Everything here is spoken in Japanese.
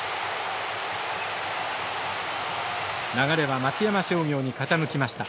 流れは松山商業に傾きました。